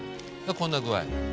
こんな具合。